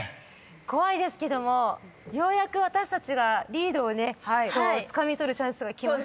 怖いですけどもようやく私たちがリードをねつかみ取るチャンスがきましたね。